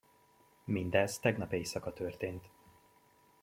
Mindez tegnap éjszaka történt.